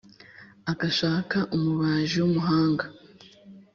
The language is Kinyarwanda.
agashaka umubaji w’umuhanga,